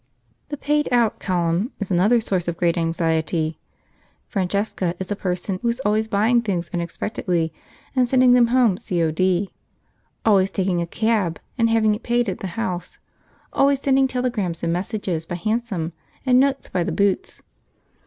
The Paid Out column is another source of great anxiety. Francesca is a person who is always buying things unexpectedly and sending them home C.O.D.; always taking a cab and having it paid at the house; always sending telegrams and messages by hansom, and notes by the Boots.